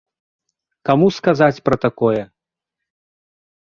Каму сказаць пра такое?